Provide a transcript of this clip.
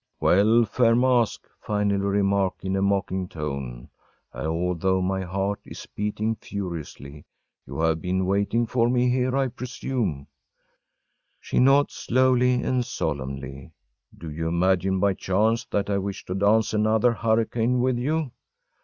“Well, fair mask,‚ÄĚ finally remark in a mocking tone, although my heart is beating furiously, “you have been waiting for me here, I presume?‚ÄĚ She nods slowly and solemnly. “Do you imagine, by chance, that I wish to dance another hurricane with you?